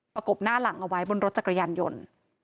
กบหน้าหลังเอาไว้บนรถจักรยานยนต์